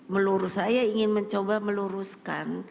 melurus saya ingin mencoba meluruskan